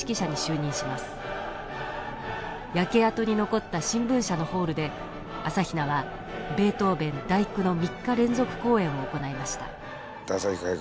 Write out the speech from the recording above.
焼け跡に残った新聞社のホールで朝比奈はベートーベン「第九」の３日連続公演を行いました。